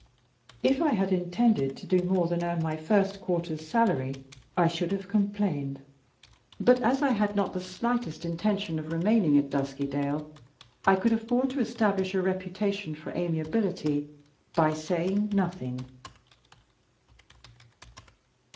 If I had intended to do more than earn my first quarter's salary, I should have complained. But as I had not the slightest intention of remaining at Duskydale, I could afford to establish a reputation for amiability by saying nothing.